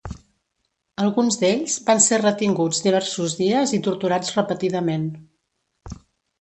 Alguns d’ells van ser retinguts diversos dies i torturats repetidament.